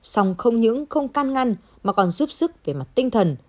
song không những không can ngăn mà còn giúp sức về mặt tinh thần